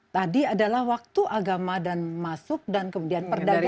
tadi adalah waktu agama dan masuk dan kemudian perdagangan